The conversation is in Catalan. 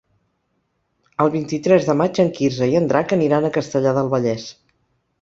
El vint-i-tres de maig en Quirze i en Drac aniran a Castellar del Vallès.